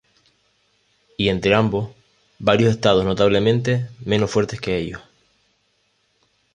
Y entre ambos, varios Estados notablemente menos fuertes que ellos.